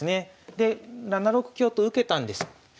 で７六香と受けたんです。